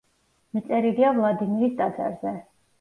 მიწერილია ვლადიმირის ტაძარზე.